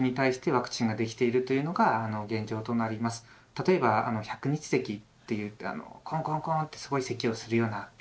例えば「百日せき」といってコンコンコンってすごいせきをするような病気ですね。